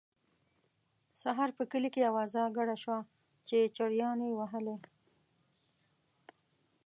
سهار په کلي کې اوازه ګډه شوه چې چړیانو یې وهلی.